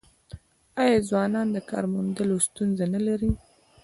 آیا ځوانان د کار موندلو ستونزه نلري؟